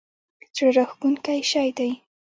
زړه راښکونکی شی دی.